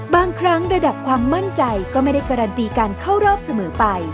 บางครั้งระดับความมั่นใจก็ไม่ได้การันตีการเข้ารอบเสมอไป